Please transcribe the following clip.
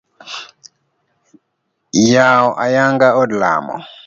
Yawo ayanga od lamo.